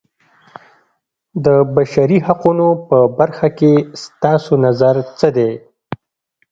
د بشري حقونو په برخه کې ستاسو نظر څه دی.